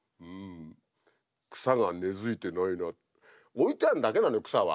置いてあるだけなのよ草は。